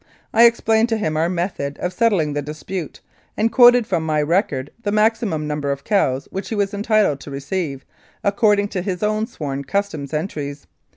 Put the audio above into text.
I explained to him our method of settling the dispute, and quoted from my record the maximum number of cows which he was entitled to receive, accord ing to his own sworn Customs entries.